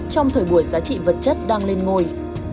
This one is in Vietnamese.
trong thời buổi giá trị vật chất đang lên ngôi